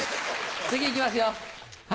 次いきますよ。